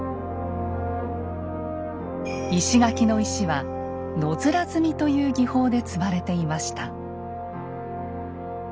石垣の石は「野面積み」という技法で積まれていました。